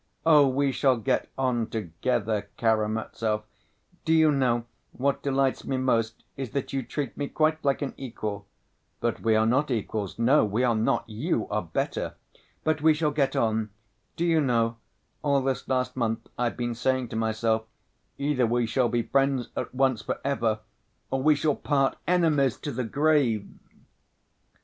Oh, we shall get on together, Karamazov! Do you know, what delights me most, is that you treat me quite like an equal. But we are not equals, no, we are not, you are better! But we shall get on. Do you know, all this last month, I've been saying to myself, 'Either we shall be friends at once, for ever, or we shall part enemies to the grave!